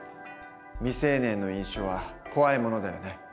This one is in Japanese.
未成年の飲酒は怖いものだよね。